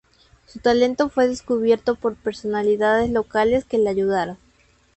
Su talento fue descubierto por personalidades locales que le ayudaron.